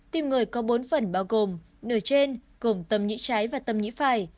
tim người có bốn phần bao gồm nửa trên gồm tầm nhĩ trái và tầm nhĩ phải